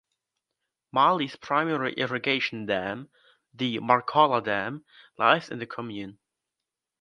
Mali's primary irrigation dam, the Markala dam, lies in the commune.